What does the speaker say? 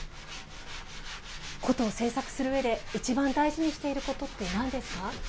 箏を制作する上で一番大事にしていることって何ですか？